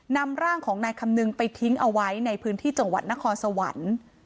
นำร่างของนายคำนึงไปทิ้งเอาไว้ในพื้นที่จังหวัดนครสวรรค์